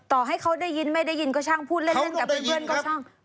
ต่อให้เขาได้ยินไม่ได้ยินก็ช่างพูดเล่นกับเพื่อนก็ช่าง